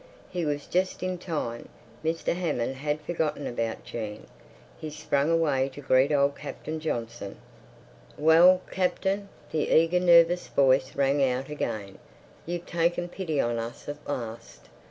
He was just in time. Mr. Hammond had forgotten about Jean. He sprang away to greet old Captain Johnson. "Well, Captain," the eager, nervous voice rang out again, "you've taken pity on us at last."